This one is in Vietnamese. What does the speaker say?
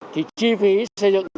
thì chi phí xây dựng